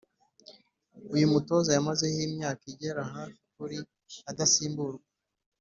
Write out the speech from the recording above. uyu mutoza yamazeho imyaka igera hafi kuri adasimburwa